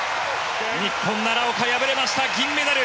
日本、奈良岡敗れました銀メダル。